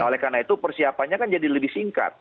nah oleh karena itu persiapannya kan jadi lebih singkat